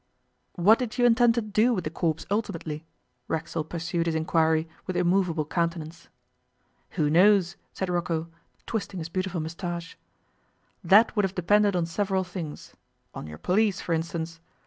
'What did you intend to do with the corpse ultimately?' Racksole pursued his inquiry with immovable countenance. 'Who knows?' said Rocco, twisting his beautiful moustache. 'That would have depended on several things on your police, for instance.